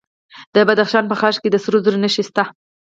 د بدخشان په خاش کې د سرو زرو نښې شته.